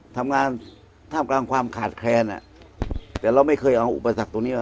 ทำงานท่ามกลางความขาดแคลนอ่ะแต่เราไม่เคยเอาอุปสรรคตรงนี้